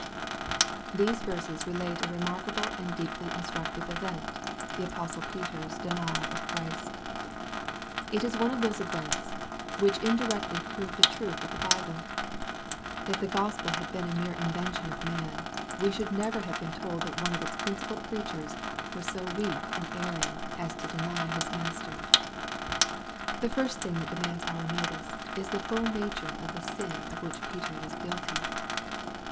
These verses relate a remarkable and deeply instructive event the apostle Peter's denial of Christ. It is one of those events, which indirectly prove the truth of the Bible. MATTHEW, CHAP. XXVI. 373 If the Gospel had been a mere invention of man, we aliould never have been told that one of its principal preachers was once so weak and erring, as to deny his Master. The first thing that demands our notice, is die fall ?ia ture of the sin of which Peter was guilty.